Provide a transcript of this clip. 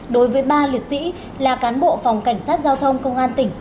đối với ba liệt sĩ là cán bộ phòng cảnh sát giao thông công an tỉnh